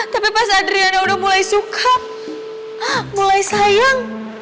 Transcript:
tapi pas adriana udah mulai suka mulai sayang